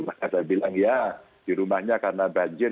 maka saya bilang ya di rumahnya karena banjir